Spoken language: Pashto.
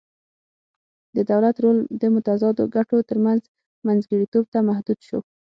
د دولت رول د متضادو ګټو ترمنځ منځګړیتوب ته محدود شو